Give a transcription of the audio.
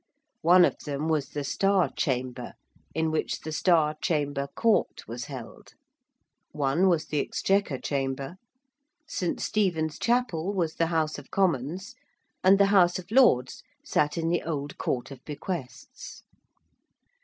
One of them was the Star Chamber, in which the Star Chamber Court was held: one was the Exchequer Chamber: St. Stephen's Chapel was the House of Commons; and the House of Lords sat in the Old Court of Bequests.